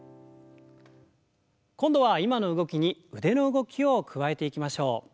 今度は今の動きに腕の動きを加えていきましょう。